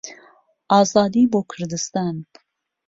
ئازادی بۆ کوردستان!